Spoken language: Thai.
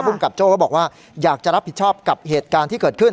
กับโจ้ก็บอกว่าอยากจะรับผิดชอบกับเหตุการณ์ที่เกิดขึ้น